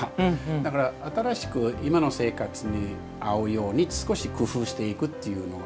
だから、新しく今の生活に合うように少し工夫していくというのは。